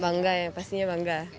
bangga ya pastinya bangga